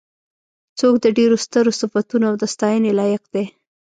څوک د ډېرو سترو صفتونو او د ستاینې لایق دی.